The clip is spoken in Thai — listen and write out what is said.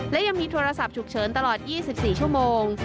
และยังมีโทรศัพท์ฉุกเฉินตลอด๒๔ชั่วโมง